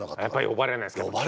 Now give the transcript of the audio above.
呼ばれないです。